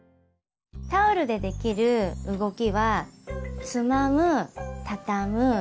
タオルでできる動きは「つまむ」「たたむ」